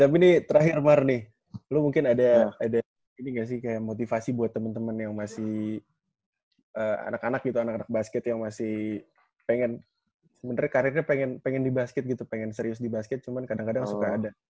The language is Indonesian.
tapi ini terakhir mar nih lu mungkin ada ini gak sih kayak motivasi buat temen temen yang masih anak anak gitu anak anak basket yang masih pengen sebenarnya karirnya pengen di basket gitu pengen serius di basket cuman kadang kadang suka ada